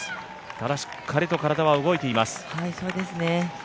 ただしっかりと体は動いています。